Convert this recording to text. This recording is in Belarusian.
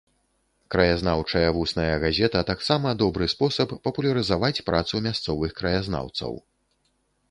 Краязнаўчая вусная газета таксама добры спосаб папулярызаваць працу мясцовых краязнаўцаў.